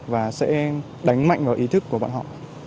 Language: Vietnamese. và sẽ đánh mạnh vào ý thức của bọn họ